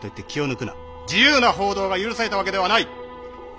自由な報道が許されたわけではない！